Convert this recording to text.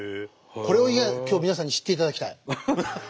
これを今日皆さんに知っていただきたい。